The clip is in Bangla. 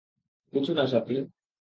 কিছু না স্বাতী।